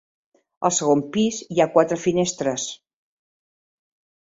Al segon pis hi ha quatre finestres.